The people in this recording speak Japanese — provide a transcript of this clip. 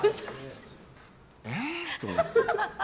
えーって思って。